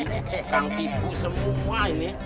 tidak tipu semua ini